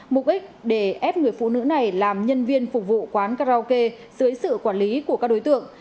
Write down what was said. mục đích để ép người phụ nữ này làm nhân viên phục vụ quán karaoke dưới sự quản lý của các đối tượng